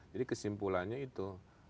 jadi kesimpulannya itu